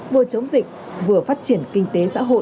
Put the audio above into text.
vừa chống dịch vừa phát triển kinh tế xã hội